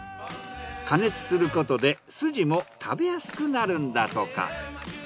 加熱することで筋も食べやすくなるんだとか。